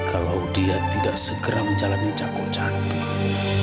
kalau dia tidak segera menjalani cakok jantung